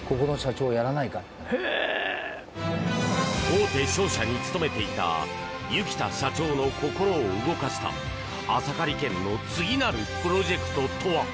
大手商社に勤めていた油木田社長の心を動かしたアサカ理研の次なるプロジェクトとは？